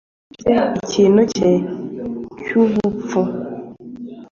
yakoze ikintu cyane, cyubupfu.